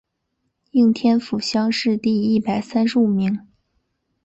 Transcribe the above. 应天府乡试第一百三十五名。